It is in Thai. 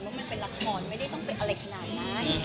มันเป็นละครไม่ได้ต้องเป็นอะไรขนาดนั้น